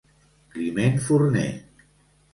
Climent Forner.